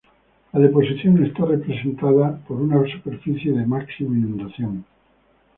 La deposición está representada por una superficie de máxima inundación.